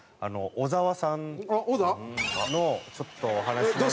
小沢さんのちょっとお話なんですけど。